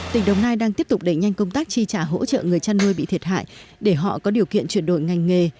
tỉnh đồng nai đang tiếp tục đẩy nhanh công tác chi trả hỗ trợ người chăn nuôi bị thiệt hại để họ có điều kiện chuyển đổi ngành nghề